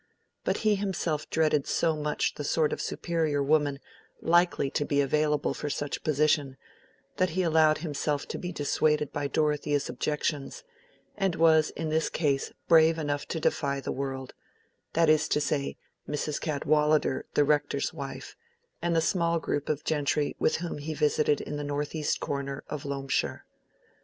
But he himself dreaded so much the sort of superior woman likely to be available for such a position, that he allowed himself to be dissuaded by Dorothea's objections, and was in this case brave enough to defy the world—that is to say, Mrs. Cadwallader the Rector's wife, and the small group of gentry with whom he visited in the northeast corner of Loamshire.